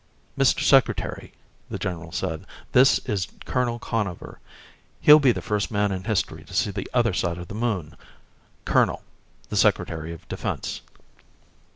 "Mr. Secretary," the general said, "this is Colonel Conover. He'll be the first man in history to see the other side of the Moon. Colonel the Secretary of Defense."